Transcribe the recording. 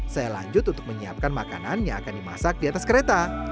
saya lanjut untuk menyiapkan makanan yang akan dimasak di atas kereta